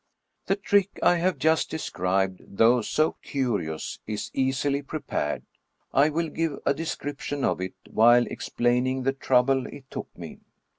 The trick I have just described, though so curious, is easily prepared. I will give a description of it, while ex plaining the trouble it took me.